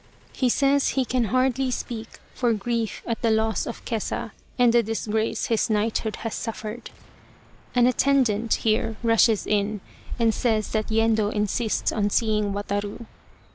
He says he can hardly speak for grief at the loss of Kesa and the disgrace his knighthood has suffered. An attendant here rushes in and says that Yendo insists on seeing Wataru.